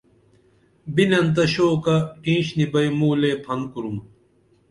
بِنن تہ شوکہ ٹِیش نی بئی موں لے پھن کُرُم